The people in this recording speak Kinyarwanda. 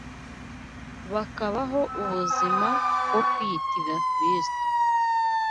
bakabaho ubuzima bwo kwiyitirira Kristo